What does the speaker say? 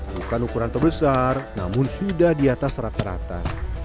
bukan ukuran terbesar namun sudah di atas rata rata